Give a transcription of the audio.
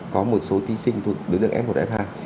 có một số thí sinh thuộc đối tượng f một f hai